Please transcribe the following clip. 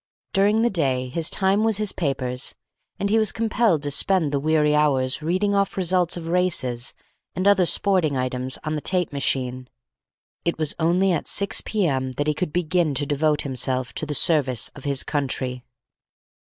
During the day his time was his paper's, and he was compelled to spend the weary hours reading off results of races and other sporting items on the tape machine. It was only at 6 p.m. that he could begin to devote himself to the service of his country.